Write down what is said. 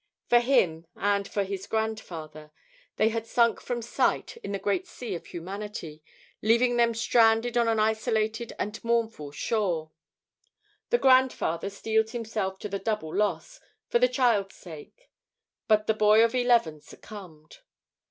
For him and for his grandfather they had sunk from sight in the great sea of humanity, leaving them stranded on an isolated and mournful shore. The grand father steeled himself to the double loss, for the child's sake; but the boy of eleven succumbed.